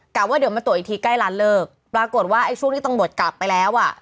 กลับว่าเดี๋ยวมาตรวจอีทีใกล้ร้านเเลิกปรากฏว่าช่วงนี้ต้องหมดกลับไปแล้ว